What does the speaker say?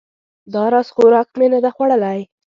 دا راز خوراک مې نه ده خوړلی